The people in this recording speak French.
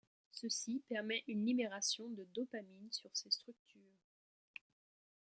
Ceci permet une libération de dopamine sur ces structures.